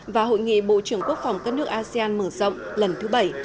và hội nghị bộ trưởng quốc phòng các nước asean mở rộng lần thứ bảy